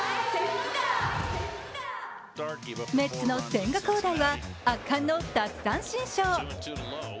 メッツの千賀滉大は圧巻の奪三振ショー。